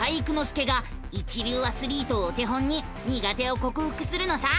介が一流アスリートをお手本に苦手をこくふくするのさ！